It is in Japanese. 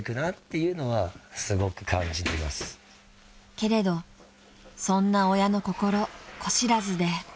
［けれどそんな親の心子知らずで］